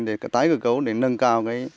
để tái cơ cấu để nâng cao cái